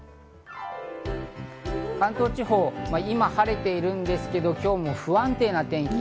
関東地方、今、晴れているんですけど、今日も不安定な天気。